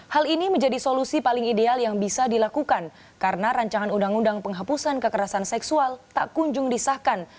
hal ini menjadi solusi paling ideal yang bisa dilakukan karena rancangan undang undang penghapusan kekerasan seksual tak kunjung disahkan